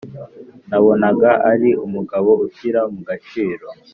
nabonaga ari umugabo ushyira mu gaciro